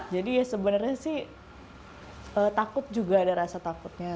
jadi sebenarnya sih takut juga ada rasa takutnya